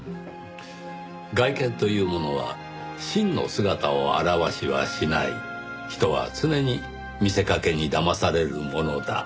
「外見というものは真の姿を表しはしない」「人は常に見せかけにだまされるものだ」。